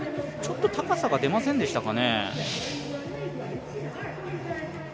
ちょっと高さが出ませんでしたかね？